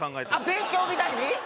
勉強みたいに？